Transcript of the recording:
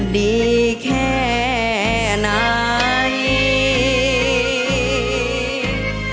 ดีแค่ไหน